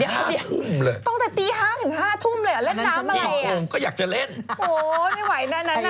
พี่เวะอ่ะลองอันดับสอง